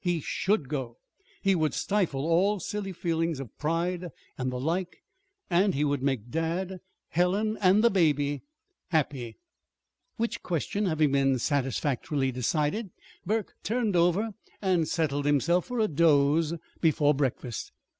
He should go. He would stifle all silly feelings of pride and the like, and he would make dad, Helen, and the baby happy. Which question having been satisfactorily decided, Burke turned over and settled himself for a doze before breakfast.